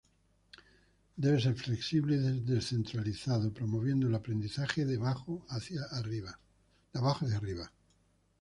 Debe ser flexible y descentralizado promoviendo el aprendizaje de abajo hacia arriba.